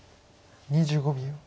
２５秒。